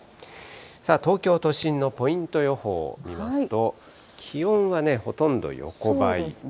さあ、東京都心のポイント予報見ますと、気温はね、ほとんど横ばい。